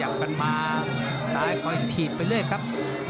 อย่างกันมาทีบไปเลยครับ